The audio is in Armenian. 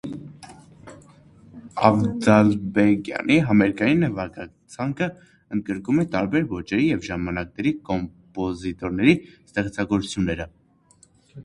Ավդալբեգյանի համերգային նվագացանկը ընդգրկում է տարբեր ոճերի և ժամանակների կոմպոզիտորների ստեղծագործությունները։